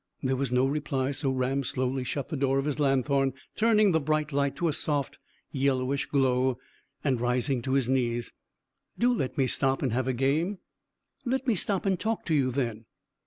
There was no reply, so Ram slowly shut the door of the lanthorn, turning the bright light to a soft yellowish glow, and rising to his knees. "Do let me stop and have a game." "Let me stop and talk to you, then."